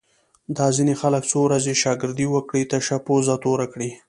دا ځینې خلک څو ورځې شاگردي وکړي، تشه پوزه توره کړي